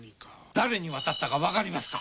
誰に渡ったかわかりますか？